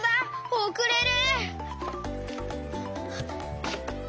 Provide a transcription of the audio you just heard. おくれる！